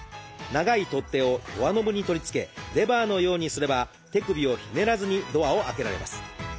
長い取っ手をドアノブに取り付けレバーのようにすれば手首をひねらずにドアを開けられます。